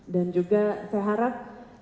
dan juga saya harap